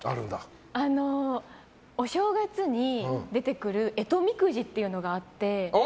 お正月に出てくる干支みくじっていうのがあって。